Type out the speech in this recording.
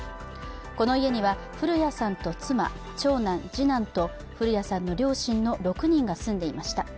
この家には古谷さんと妻、長男、次男と古谷さんの両親の６人が住んでいました。